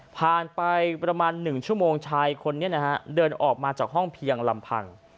ผ่านไปประมาณ๑ชั่วโมงชายคนนี้นะฮะเดินออกมาจากห้องเพียงลำพัง